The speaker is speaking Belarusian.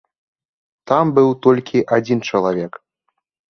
Там быў толькі адзін чалавек.